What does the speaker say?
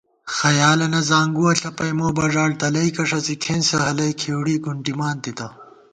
خیالَنہ زانگُوَہ ݪَپَئی مو بژاڑتلَئیکہ ݭَڅی کھېنسہ ہلَئی کھېوڑِی گُنٹِمان تِتہ